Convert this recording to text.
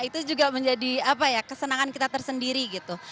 itu juga menjadi kesenangan kita tersendiri gitu